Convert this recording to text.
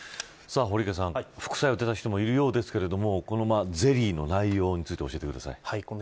堀池さん副作用が出た人もいるようですがこのゼリーの内容について教えてください。